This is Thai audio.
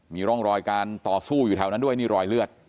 มีร่องรอยการต่อสู้อยู่แถวนั้นด้วยนี่รอยเลือด